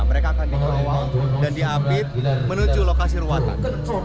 mereka akan dikawal dan diapit menuju lokasi ruangan